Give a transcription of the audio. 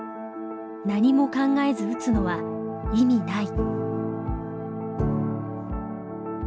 「何も考えず打つのは意味ない！！」。